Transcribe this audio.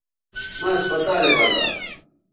مہ اسپتالے بزا